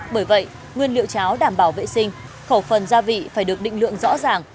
bởi vậy nguyên liệu cháo đảm bảo vệ sinh khẩu phần gia vị phải được định lượng rõ ràng